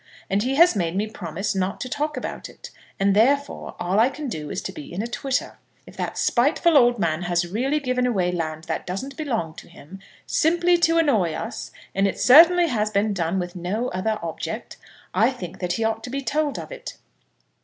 And he has made me promise not to talk about it, and, therefore, all I can do is to be in a twitter. If that spiteful old man has really given away land that doesn't belong to him, simply to annoy us, and it certainly has been done with no other object, I think that he ought to be told of it.